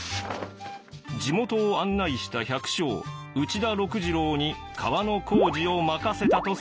地元を案内した百姓内田六次郎に川の工事を任せたとされています。